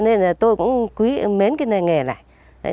nên là tôi cũng mến cái nghề này